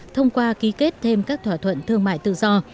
thông qua ký kết thêm các thỏa thuận thương mại tự do